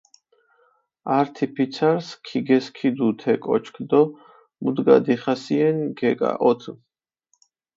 ართი ფიცარს ქიგესქიდუ თე კოჩქ დო მუდგა დიხასიენ გეკაჸოთჷ.